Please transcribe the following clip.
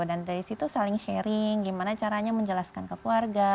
dan dari situ saling sharing gimana caranya menjelaskan ke keluarga